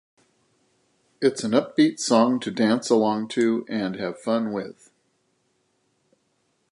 It’s an upbeat song to dance along to and have fun with.